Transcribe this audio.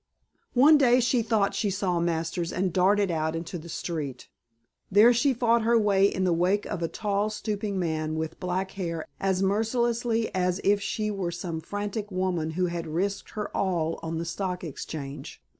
One day she thought she saw Masters and darted out into the street. There she fought her way in the wake of a tall stooping man with black hair as mercilessly as if she were some frantic woman who had risked her all on the Stock Exchange.